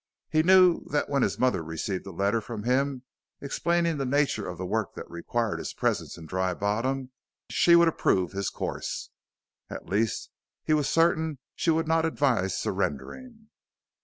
He knew that when his mother received a letter from him explaining the nature of the work that required his presence in Dry Bottom she would approve his course. At least he was certain that she would not advise surrendering.